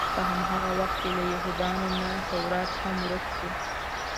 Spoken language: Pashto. په هماغه وخت کې له یهودانو نه تورات هم ورک شو.